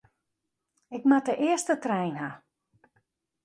Ik moat de earste trein ha.